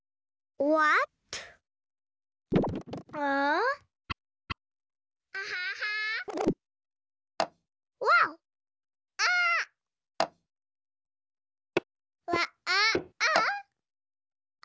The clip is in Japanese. うわああ。